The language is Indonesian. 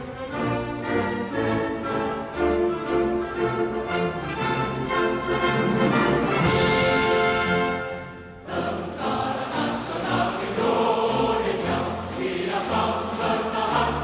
kami kepolisian negara republik indonesia mengucapkan